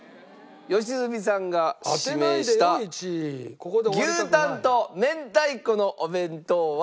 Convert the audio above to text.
良純さんが指名した牛たんと明太子のお弁当は。